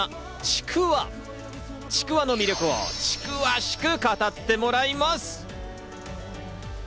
ちくわの魅力を、ちくわしく語ってもらいます！